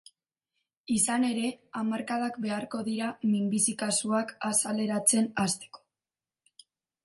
Izan ere, hamarkadak beharko dira minbizi kasuak azaleratzen hasteko.